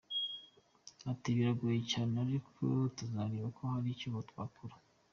Ati “Biragoye cyane ariko tuzareba ko hari icyo twakora.